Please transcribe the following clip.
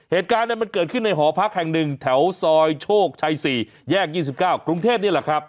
เหตุการณ์มันเกิดขึ้นในหอพักแห่งหนึ่งแถวซอยโชคชัย๔แยก๒๙กรุงเทพนี่แหละครับ